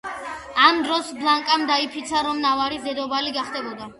ამ დროს ბლანკამ დაიფიცა, რომ ნავარის დედოფალი გახდებოდა.